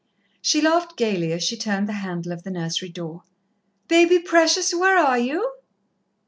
She laughed gaily as she turned the handle of the nursery door. "Baby, precious, where are you?"